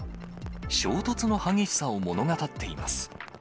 衝突の激しさを物語っています。